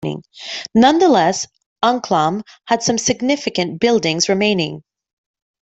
Nonetheless, Anklam has some significant buildings remaining.